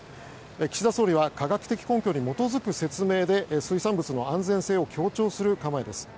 岸田総理は科学的根拠に基づく説明で水産物の安全性を強調する構えです。